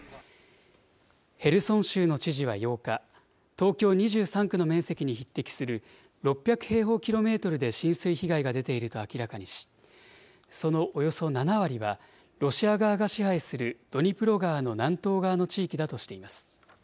ヘルソン州の知事は８日、東京２３区の面積に匹敵する６００平方キロメートルで浸水被害が出ていると明らかにし、そのおよそ７割は、ロシア側が支配するドニプロ川の南東側の地域だとしています。